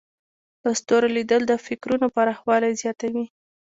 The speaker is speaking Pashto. د ستورو لیدل د فکرونو پراخوالی زیاتوي.